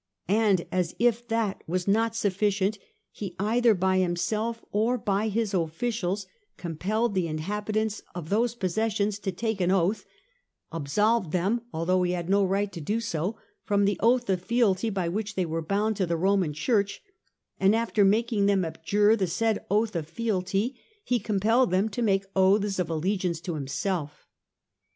And as if that was not sufficient, he, either by himself or by his officials, compelled the inhabitants of those possessions to take an oath ; absolved them, although he had no right to do so, from the oath of fealty by which they were bound to the Roman Church ; and after making them abjure the said oath of fealty, he compelled them to make oaths of allegiance to himself.